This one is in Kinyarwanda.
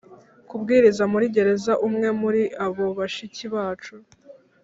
kubwiriza muri gereza Umwe muri abo bashiki bacu